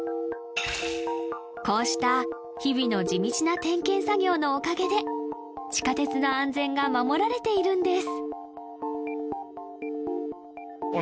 こうした日々の地道な点検作業のおかげで地下鉄の安全が守られているんです